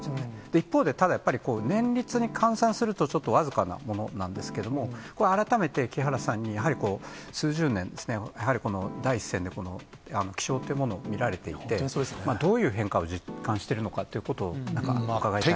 一方で、ただやっぱり年率に換算するとちょっと僅かなものなんですけども、これ、改めて木原さんに、やはり数十年、やはり、この第一線で気象というものを見られていて、どういう変化を実感してるのかということを、なんか伺いたいなと。